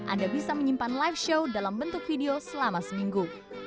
anda bisa menyimpan live show dalam bentuk video selama seminggu